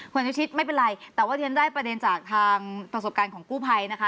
คุณอนุชิตไม่เป็นไรแต่ว่าเรียนได้ประเด็นจากทางประสบการณ์ของกู้ภัยนะคะ